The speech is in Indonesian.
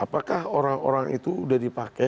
apakah orang orang itu sudah dipakai